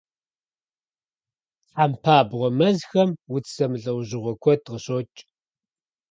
Тхьэмпабгъуэ мэзхэм удз зэмылӀэужьыгъуэ куэд къыщокӀ.